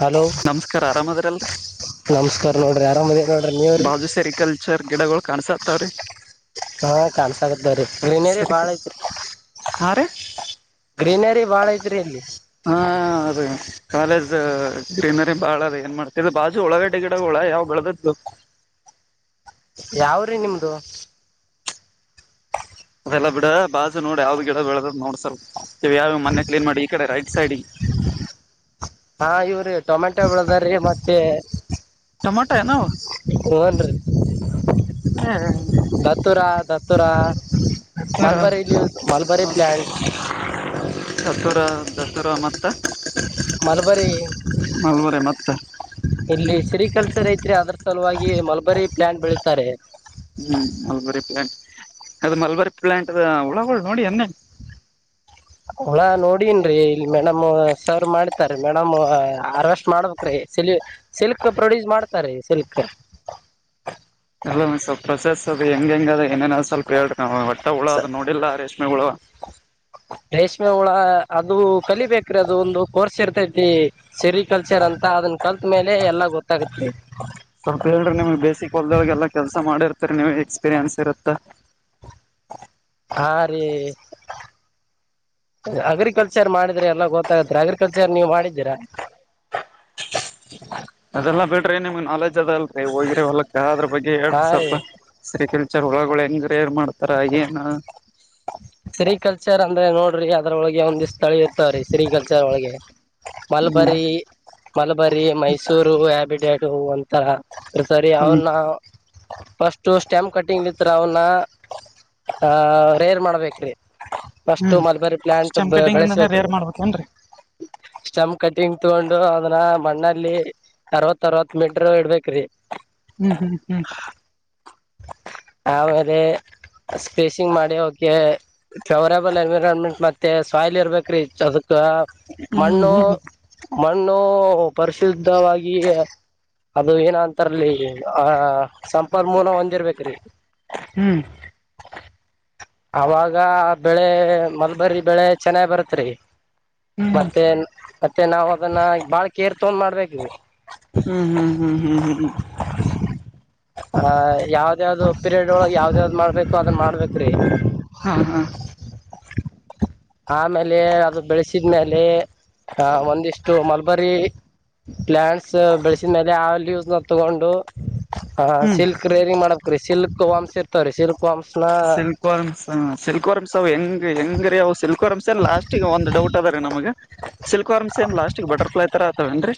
Hello ನಮಸ್ಕಾರ ಆರಾಮ್ ಅದ್ರ ಅಲ್ರಿ ನಮಸ್ಕಾರ ನೋಡ್ರಿ ಆರಾಮದೇ ನೋಡ್ರಿ [inaudible] ನೀವ್ರಿ ಬಾಜ ಸರಿ. ಕಲ್ಚರ್ ಗಿಡಗಳು ಕಾಣ್ಸ್ತ್ತಾವ್ರೀ ಹಾ ಕಾಣಸಾಗತ್ತ ರೀ ನೀನರಿ ಭಾಳ ಐತ್ರಿ ಹಾರಿ ಗ್ರೀನರಿ ಬಾಳ ಐತ್ರಿ. ಹಾ ಅದೇ ಕಾಲೇಜ್ ಗ್ರೀನರಿ ಬಾಳ ರೀ ಏನ್ ಮಾಡ್ತ ಬಾಜು ಉಳಗಡ್ಡೆ ಗಿಡಗಳು ಬೇಳದ್ದ್ದು ಯಾವ್ರಿ ನಿಮ್ದ ಅದೆಲ್ಲ ಬಿಡ ಬಾಜು ನೋಡ್ ಯಾವ್ದ್ ಗಿಡ ಬೆಳೆದ್ ನೋಡ ಸ್ವಲ್ಪ್ ಇವ ಯಾವ ಮನೆೆ ಕ್ಲೀನ್ ಮಾಡಿ ಈ ಕಡೆ ರೈಟ್ ಸೈಡ್ ಹಾ ಇವ್ರೀ ಟೊಮೆಟೊ ಬೆಳದ್ರೀ ಮತ್ತೆ ಟೊಮಾಟೊ ಏನವು [inaudible] ಉವನ್ರೀ ದತುರಾ ದತುರಾ ಮಲ್ಬಾರಿಲ್ಲಿ ಯೂಸ್ ಮಲ್ಬಾರಿ ಪ್ಲ್ಯಾಂಟ್ [inaudible] ದತುರ ದತುರ ಮತ್ತ ಮಲ್ಬರಿ ಮಲ್ಬರಿ ಮತ್ತ [inaudible] ಇಲ್ಲಿ ಸಿರಿ ಕಲ್ಚರ್ ಐತ್ರಿ ಅದ್ರ ಸಲುವಾಗಿ ಮಲ್ಬರಿ ಪ್ಲಾಂಟ್ ಬೆಳೀತಾರೆ ಹ್ಮ್ ಮಲ್ಬರಿ ಪ್ಲಾಂಟ್ ಅದ ಮಲ್ಬರಿ ಪ್ಲಾಂಟದ ಉಳಗಳ ನೋಡಿ ನಿ ಉಳ ನೋಡನ್ರಿ ಇಲ್ಲಿ ಮೇಡಮ್ ಸರ್ ಮಾಡತಾರ ಮೇಡಮ್ ಅರೆಸ್ಟ್ ಮಾಡ್ಬೇಕ್ರೀ ಸಿಲಿ ಸಿಲ್ಕ ಪ್ರೊಡ್ಯೂಸ್ ಮಾಡ್ತಾರೆ ಸಿಲ್ಕ ಎಲ್ಲ ಮ ಸ್ವಲ್ ಪ್ರೊಸೆಸ್ ಅದು ಹೆಂಗ ಹೆಂಗ ಅದ ಏನೇನಾದ್ ಸ್ವಲ್ಪ ಹೇಳ್ರಿ. ಒಟ್ಟ ಹುಳ ಸ ಅದ ನೋಡಿಲ್ಲ ರೇಷ್ಮೆ ಹುಳ ರೇಷ್ಮೆ ಹುಳ ಅದು ಕಲಿಬೇಕ್ರೀ ಅದು ಒಂದು ಕೋರ್ಸ್ ಇರ್ತೈತಿ. ಸೆರಿ ಕಲ್ಚರ್ ಅಂತ ಅದನ್ನ ಕಲ್ತ ಮೇಲೆ ಎಲ್ಲಾ ಗೊತ್ತಾಗುತ್ತೆ. ಸ್ವಲ್ಪ ಹೇಳ್ರಿ ನಿಮ್ಗ ಬೇಸಿಕ್ ಹೊಲ್ದದೊಳಗ ಎಲ್ಲಾ ಕೆಲ್ಸ ಮಾಡಿರ್ತರಿ ನೀವ್ ಎಕ್ಸ್ಪೀರಿಯನ್ಸ್ ಇರತ್ತ. ಹಾ ರೀ ಅಗ್ರಿಕಲ್ಚರ್ ಮಾಡಿದ್ರೆ ಎಲ್ಲ ಗೊತ್ತಾಗತ್ತರಿ ಅಗ್ರಿಕಲ್ಚರ್ ನೀವ ಮಾಡಿದ್ದೀರಾ? ಅದೆಲ್ಲಾ ಬಿಡ್ರಿ ನಿಮ್ಗೆ ನಾಲೆಜ್ ಅದಲ್ರರಿ ಹೋಗಿರಿ ಹೊಲಕ್ಕ ಅದ್ರ ಬಗ್ಗೆ ಹೇಳ್ರಿ ಹಾ ರೀ ಸ್ವಲ್ಪ ಸರಿಕಲ್ಚರ್ ಹುಳಗಳು ಹೆಂಗ ರೇರ್ ಮಾಡ್ತಾರ ಏನ ಸರೀ ಕಲ್ಚರ್ ಅಂದ್ರೆ ನೋಡ್ರಿ ಅದ್ರೊಳಗೆ ಒಂದಿಷ್ಟ ತಳಿ ಇರ್ತಾವೀ ಸರೀ ಕಲ್ಚರ್ ಒಳಗೆ ಮಲಬರಿ ಹ್ಮ್ ಮಲಬರಿ ಮೈಸೂರು ಹ್ಯಾಬಿಡೇಡ್ ಅಂತ [inaudible] ಸರಿ ಹ್ಮ್ ಅವನ್ನ ಫಸ್ಟ ಸ್ಟೆಮ್ ಕಟ್ಟಿಂಗ್ಲಿತ್ರ ಅವ್ನ [inaudible] ಆಹ ರೇರ್ ಮಾಡ್ಬೇಕ್ರಿ ಫಸ್ಟು ಹ್ಮ್ ಮಲ್ಬರಿ ಪ್ಲಯಾಂಟ್ ಸ್ಟೆಮ್ ಕಟಿಂಗ್ ಇಂದಾನೇ ಬೆಳೆಸ್ಬೇಕ್ರಿ ರೇರ್ ಮಾಡ್ಬೇಕೇನ್ರಿ [unintelligible] ಸ್ಟಪ್ ಕಟಿಂಗ್ ತಗೊಂಡು ಅದನ್ನ ಮಣ್ಣಲ್ಲಿ ಅರವತ್ ಅರವತ್ ಮೀಟ್ರು ಇಡಬೇಕ್ರಿ ಹ್ಮ್ ಹ್ಮ್ ಆಮೇಲೆ ಸ್ಪೇಷಿಂಗ್ ಮಾಡಿ ಹವಕೆ ಫೇವರೇಬಲ್ ಎನ್ವಿರಾನ್ಮೆಂಟ್ ಮತ್ತೆ ಸಾಯಿಲ್ ಇರ್ಬೇಕ ರೀ ಅದಕ್ ಹ್ಮ್ ಮಣ್ಣು ಹ್ಮ್ ಮಣ್ಣು... ಪರಿಶುದ್ಧವಾಗಿ ಅದು ಏನ ಅಂತಾರಲಿ ಈಗಿಂದ ಆ ಸಂಪನ್ ಮೂಲ ಒಂದಿರ್ಬೇಕ್ರಿ ಹ್ಮ್ ಅವಾಗ ಬೆಳೆ ಮಲ್ಬರಿ ಬೆಳೆ ಚೆನ್ನಾಗ ಬರುತ್ರಿ ಹ್ಮ್ ಹ್ಮ್ ಮತ್ತೆ ಮತ್ತೆ ನಾವ ಅದನ್ನ ಬಾಳ್ ಕೇರ್ ತಗೊಂಡ್ ಮಾಡ್ಬೇಕರಿ ಹ್ಮ್ ಹ್ಮ್ ಹ್ಮ್ ಹ್ಮ್ ಹ್ಮ್ಮ್ ಆ ಯಾವ್ದ ಯಾವ್ದು ಪೀರಿಯಡ್ ಒಳಗ್ ಯಾವ್ದ ಯಾವ್ದ ಮಾಡ್ಬೇಕು ಅದನ್ ಮಾಡ್ಬೇಕ್ರೀ ಹಾ ಹಾ ಆಮೇಲೆ ಅದು ಬೆಳಸಿದ್ಮೇಲೆ ಆ ಒಂದಿಷ್ಟು ಮಲ್ಬರಿ ಪ್ಲಾಂಟ್ಸ ಬೆಳೆಸಿದ ಮೇಲೆ ಆ ಲೂಸ್ ನ ತಗೊಂಡು ಹಾ ಹ್ಮ್ ಸಿಲ್ಕ್ ರೇರಿಂಗ್ ಮಾಡಕ್ರಿ ಸಿಲ್ಕ್ ವಂಶ ಇರ್ತವ್ರೀ ಸಿಲ್ಕ ವಂಶನ ಹ ಸಿಲ್ಕ್ ವರ್ಮ್ಸ್ ಅವ ಹೆಂಗ್ ಹೆಂಗ ರೀ ಅವು ಸಿಲ್ಕ್ ವರ್ಮ್ಸ ಅ ಲಾಸ್ಟಿಗೆ ಒಂದ ಡೌಟ್ ಅದ ರೀ ನಮಗೆ ಸಿಲ್ಕ್ ವರ್ಮ್ಸ್ ಏನ ಲಸ್ಟ್ ಬಟರ್ಫ್ಲೈ ತರ ಅತವೇನ್ರಿ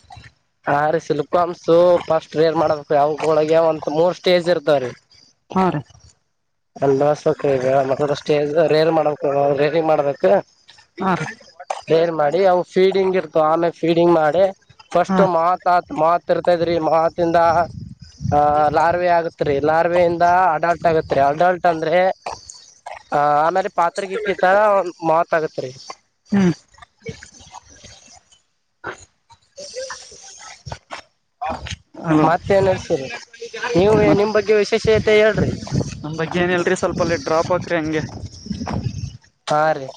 ಹಾ ರೀ ಸಿಲ್ಕಮ್ಸು ಫಸ್ಟ್ ರೇರ್ ಮಾಡ್ಬೇಕ್ರಿ ಅವಕ್ ಒಳಗೆ ಒಂತ ಮೂರ್ ಸ್ಟೇಜ್ ಇರ್ತವ್ರೀ ಹಾ ರೀ ಅನ್ ಬಸ್ಬೇಕ ಈಗ ಮತ್ತ ಸ್ಟೇಜ್ ರೇರ ಮಾಡ್ಬೇಕ ರೇರಿಗ ಮಾಡ್ಬೇಕ ಹಾ ರೀ [inaudible] ರೇರ್ ಮಾಡಿ ಅವು ಫೀಡಿಂಗ್ ಇರ್ತವ ಆಮೇಲ ಫೀಡಿಂಗ್ ಮಾಡಿ ಫಸ್ಟ ಹಾ ಮಾತ್ ಮಾತ್ ಮಾತ್ ಇರ್ತತ ಇದ್ರಿ ಮಾತ ಇಂದ ಲಾರ್ವೆ ಆಗತ್ ರೀ ಲಾರ್ವೆೆಯಿಂದ ಅಡಾಟ್ ಆಗುತ್ತ ರಿ ಅಡಲ್ಟ್ ಅಂದ್ರೆ [inaudible] ಆ ಆಮೇಲೆ ಪಾತ್ರೆಗಿತ್ತ ತರ ಮಾತ್ ಆಗತ್ರಿ ಹ್ಮ್ [inaudible] [unintelligible] ಅಲೋ [inaudible] ಮತ್ತ ಏನ್ ನಡ್ಸೀರಿ [inaudible] ನೀವು ನಿಮ್ ಬಗ್ಗೆ ವಿಶೇಷತೆ ಹೇಳ್ರಿ ನಮ್ಗ ಏನಲ್ರಿ ಸ್ವಲ್ಪ ಅಲ್ಲಿ ಡಾಪ್ ಹಾಕ್ರರಿ ಹಂಗೆ ಹಾ ರೀ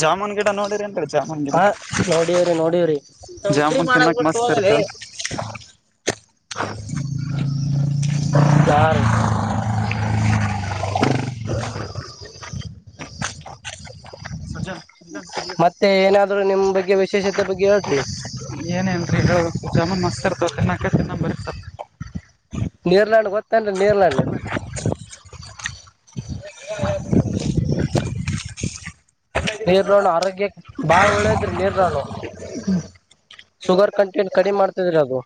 ಜಾಮೂನ್ ಗಿಡ ನೋಡಿರ ಏನ್ರೀ ಜಾಮೂನ್ ಗಿಡ ಹಾ ನೋಡವ್ರಿ ನೋಡವ್ರಿ ನಾವ ಉದ್ರಿ ಜಾಮೂನ್ ಮಾಡಕ್ ತಿನ್ನಕ್ ಬಿಟ್ಟು ಮಸ್ತ್ ಇರ್ತ ಹೋಗಿಲೇ.. [unintelligible] ಯಾರ ಮತ್ತೆ ಏನಾದ್ರೂ ನಿಮ್ ಬಗ್ಗೆ ವಿಶೇಷತೆ ಬಗ್ಗೆ ಹೇಳರಿ ನೀವ ಅಂತರು ಹೇಳ ಬೇಕು ಜಾಮನ್ ಮಸ್ ಇರ್ತವ ತಿನ್ನಾಕ ಬರ್ತವ ನಿಯರ್ ಲ್ಯಾಂಡ್ ಗೊತ್ತೇನ ನಿಯರ್ ಲ್ಯಾಂಡ್ [unintelligible] ನೀರಲ ಹಣ್ಣ ಆರೋಗ್ಯಕ್ಕೆ ಬಾಳ ಒಳ್ಳೇದ್ರಿ ನೀರಲಹಣ್ಣ [inaudible] ಶುಗರ್ ಕಂಟೆಂಟ್ ಕಡಿಮ ಮಾಡ್ತಿದ್ರಿ ಅದು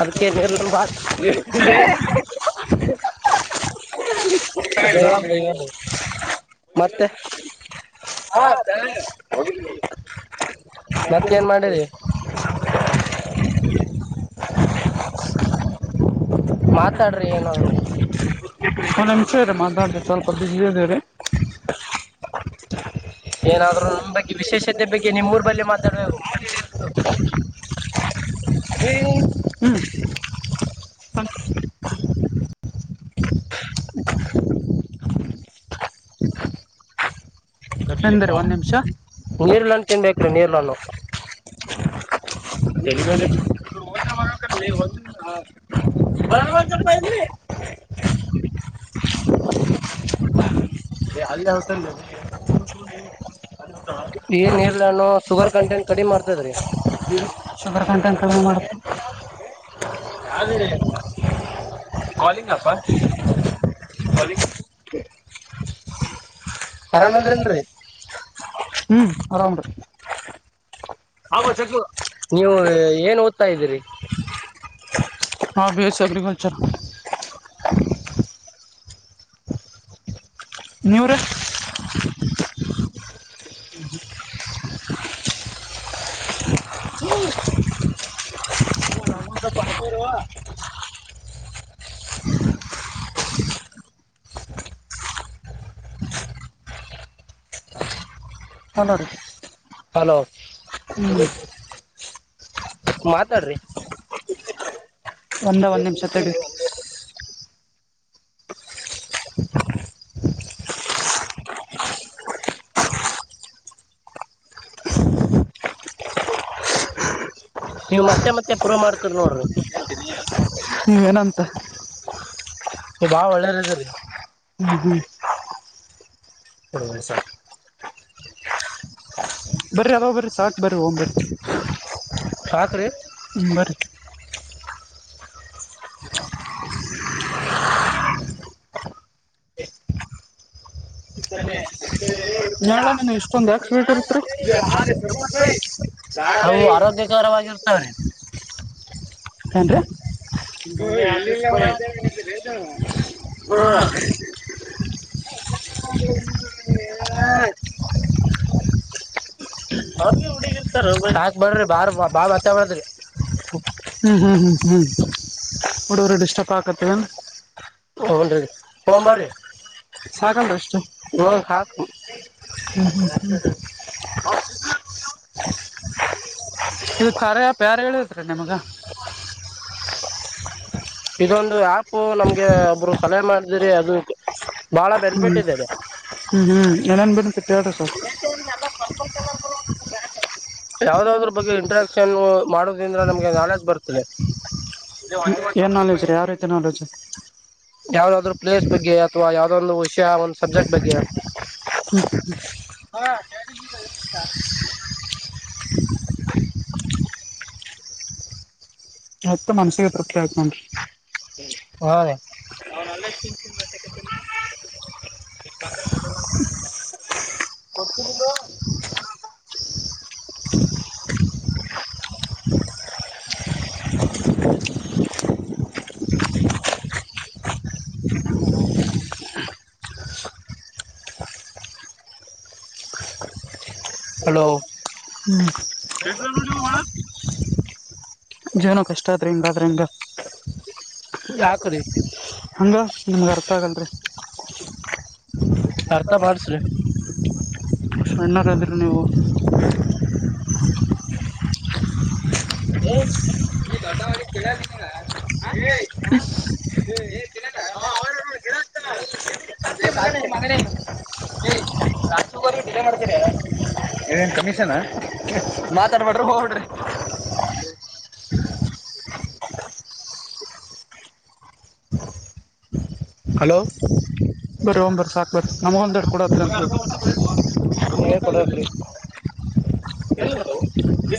ಅದಕ್ಕೆ ನೀರು [unintelligible] [unintelligible] ಜಡಗ ಮತ್ತೆ ಬಾ ತಿನ್ನೋನ [inaudible] ಮತ್ತ ಏನ್ ಮಾಡರಿ. [unintelligible] ಮಾತಾಡ್ರಿ ಏನಾವ್ರು [unintelligible] ನಮ್ಮ ಹೆಸರ್ ಹೇಳ್ರಿ ಮಾತಾಡರಿ ಸ್ವಲ್ಪ ಬಿಜಿ ಅದೇವರಿ ಏನಾದ್ರು ನಮ್ ಬಗ್ಗೆ ವಿಶೇಷತೆ ಬಗ್ಗೆ ನಿಮ್ಮ ಊರ್ ಬಲ್ಲಿ ಮಾತಾಡ್ವೆವು [unintelligible] [inaudible] ಹ್ಮ್ [unintelligible] ನಿಂದ್ರಿ ಒಂದ್ ನಿಮಿಷ ನೀರಲಹಣ್ಣ ತಿನ್ನಬೇಕ್ರಿ ನೀರಲಹಣ್ಣು ಎಲ್ಲಿಗದ [unintelligible] [inaudible] ಬಂದ ಬಂದ ಕಳದಿರಿ ಅಲ್ಲೇ ಹೊಸಂಡ ಈ ನೀರಲಹಣ್ಣು ಶುಗರ್ ಕಂಟೆಂಟ್ ಕಡಿಮ ಮಾಡ್ತದ್ರೀ. ಶುಗರ್ ಕಟೆಂಟ್ ಕಮ್ಮಿ ಮಾಡುತ್ತೆ [unintelligible] ಅದ ರಿ [unintelligible] ಅರಾಮ್ ಅದಿರೇನ್ರಿ ಆರಾಮಂದ್ರಲ್ರಿ [inaudible] ಹ್ಮ್ ಆರಮ ರಿ ಅಮಾ ಚಕ್ ನೀವು ಏನ್ ಓದ್ತಾ ಇದ್ದೀರಿ ಹಾ ಬಿ ಯ ಸಿ ಅಗ್ರಿಕಲ್ಚರ್. ನೀವ್ರಿ? [inaudible] [inaudible] ಹಲೋ ರೀ. ಹಲೋ ಹೂ. ಮಾತಾಡ್ರಿ. ಒಂದೇ ಒಂದ್ ನಿಮಿಷ ತಡೀರಿ. ನೀವ್ ಮತ್ತೆ ಮತ್ತೆ ಪ್ರೂವ್ ಮಾಡ್ತೀರ್ ನೋಡ್ರಿ. ಇ [inaudible] ಹೂ ಏನಂತೆ? ನೀವು ಬಹಳ ಒಳ್ಳೇರ್ ಇದಿರಿ. ಹ್ಮ್ ಹ್ಮ್ [unintelligible] ಸರ್. ಬರ್ರಿ ಆದಾವ ಬರ್ರಿ ಸಾಕ್ ಬರಿ ಹೋಗ್ ಬರ್ರಿ. ಸಾಕ್ರಿ. ಊಂ ಬರಿ. [inaudible] ನಾಳ ನನ್ ಎಷ್ಟೊಂದಾಕ್ ಸ್ವೀಟ್ ಇರ್ತ್ರಿ. ಪ್ಕರವಾಗಿರ್ತಾರೆ. ಏನ್ರಿ? ಹು. ಹಾ ಸರಿ [unintelligible] ಅವ ಹುಗಿರ್ತ ಇರ್ತಾವಲ್ರಿ ಸಾಕ್ ಬರ್ರಿ ಬಾರ್ ಬಾಳ [unintelligible] ಹ್ಮ್ ಹ್ಮ್ ಹ್ಮ ಹ್ಮ್ ಹುಡುಗ್ರುಗ್ ಡಿಷ್ಟಪ್ಪಾತೇನು. ತೊಂಬರ್ರಿ ಸಾಕಲ್ರಿ ಅಷ್ಟು. ಇವಾಗ ಹ್ಮ್ ಹಾಕ್ ಹ್ಮ್ ಹ್ಮ್ [inaudible] [inaudible] ಇದೊಂದು ಆ್ಯಪ್ ನಮ್ಗೆ ಒಬ್ರು ಸಲಹೆ ಮಾಡ್ದಿರಿ ಅದು ಬಹಳ ಬೆನಿಫಿಟ್ ಇದೆ. ಹ್ಮ ಹ್ಮ ಏನ್ ಏನ್ ಬೆನಿಫಿಟ್ ಹೇರ್ಳಿ ಸ್ವಲ್ಪ. ಯಾವ್ದಾದ್ರ್ ಬಗ್ಗೆ ಇಂಟ್ರೆಸ್ಟಿಂದ ಮಾಡದ್ರಿಂದ ನಮ್ಗೆ ನಾಲೆಜ್ ಬರ್ತದೆ. ಏನ್ ನಾಲೆಜ್ ರಿ ಯಾವ್ ರೀತಿ ನಾಲೆಜ್? ಯಾವ್ದಾದ್ರು ಪ್ಲೇಸ್ ಬಗ್ಗೆ ಅಥವ ಯಾವ್ದಾದ್ರು ಒಂದು ವಿಷಯ ಒಂದ್ ಸಬ್ಜೆಕ್ಟ್ ಬಗ್ಗೆ ಹ ಹ [unintelligible] [inaudible] ಮತ್ತ ಮನಸ್ಸಿಗೆ ತೃಪ್ತಿ ಆಯ್ತ್ ನೋಡ್ರಿ. ಹಾ ರೀ [inaudible] [inaudible] ಹಲೋ ಹ್ಮ್ [unintelligible] ಜೀವನ ಕಷ್ಟ ಆತ್ರಿ ಹಿಂಗಾದ್ರೆ ಹೆಂಗ. ಯಾಕೊರಿ? ಅಂದ್ರೆ ನಿಮ್ಗ್ ಅರ್ಥ ಆಗಲ್ರಿ. ಅರ್ತ ಮಾಡ್ಸ್ರಿ. [unintelligible] ನೀವು. ಹೌ [inaudible] ಚಟ ಮಾಡ ಕಳ ತಿ [unintelligible] ಮಾಡ [unintelligible] [unintelligible] ಏನ್ ಕಮಿಷನ್ ಮಾತಾಡ್ಬಡ್ರಿ ಹೊಡ್ರಿ ಹಲೋ ಬರಿ ಹೋಗನ್ ಬರಿ ಸಾಕು ಬರಿ ನಮಗ ಒಂದರೆಡು ಕೊಡ ಹತ್ರ ಅಂತ ಹೇಳ್ ನೀವೇ ಕೊಡಕ್ರಿ ಎ [unintelligible] ಗತ ದ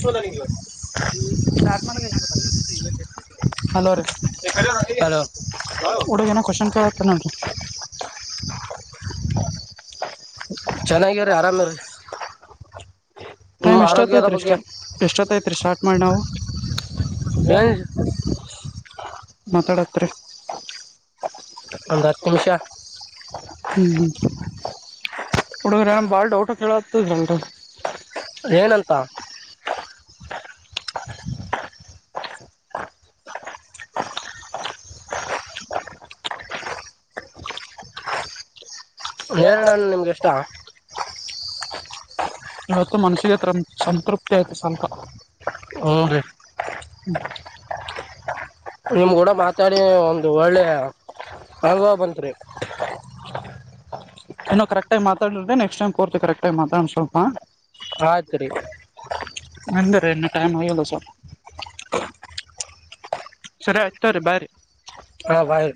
ಸ್ಟಾರ್ಟ್ ಮಾಡ ಹಲೋ ರೀ ಹಲೋ ಹುಡುಗ ಏನೋ ಕ್ವಾಶನ್ ಕೇಳತ್ತಾರ್ ನೋಡ ರೀ‌. ಚೆನ್ನಾಗಿ ರೀ ಆರಾಮೇ ರೀ. ಟೈಮ್ ಎಷ್ಟೊತ್ತ್ ರೀ ಬಗ್ಗೆ ಎಷ್ಟೊತ್ತ್ ಐತ್ ರೀ ಸ್ಟಾರ್ಟ್ ಮಾಡಿ ನಾವು. ಏನ್ ಮತಾಡತ್ ರ್ರೀ ಒಂದ್ ಹತ್ತು ನಿಮಿಷ. ಹ್ಮ್ ಹ್ಮ್ ಹುಡುಗರ್ ಏನೋ ಬಾಳ್ ಡೌಟ್ ಕೇಳಹತ್ತಿರ್ಲಲ್ರಿ. ಏನಂತ ನೇರಳೆ ಹಣ್ಣು ನಿಮ್ಗೆ ಇಷ್ಟ [unintelligible] ಇವತ್ತು ಮನಸಿಗೆ ತ್ರಂ ಸಂತೃಪ್ತಿ ಆಯ್ತು ಸ್ವಲ್ಪ. ಹ್ಮ್ ಹ್ಞೂ ರೀ ರೀ ಹ್ ನಿಮ್ ಕೂಡ ಮಾತಾಡಿ ಒಂದು ಒಳ್ಳೇ ಅನುಭವ ಬಂತ್ರಿ. [inaudible] ಇನ್ನೋ ಕರೆಕ್ಟ್ ಮಾತಾಡ್ರೆ ನೆಕ್ಸ್ಟ್ ಟೈಮ್ ಪೂರ್ತಿ ಕರೆಕ್ಟ್ ಆಗಿ ಮಾತಾಡಣ ಸ್ವಲ್ಪಾ. ಆಯ್ತ್ ರೀ ಅಂದ್ರೆ ಇನ್ನು ಟೈಮ್ ಆಗಿಲ್ಲ ಸ್ವಲ್ಪ. ಸರಿ ಆಯ್ತು ತೋರಿ ಬೈ ರೀ ಹಾ ಬಾಯ್ ರೀ